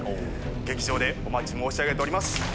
劇場でお待ち申し上げております。